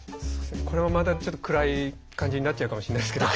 これもまたちょっと暗い感じになっちゃうかもしんないですけど。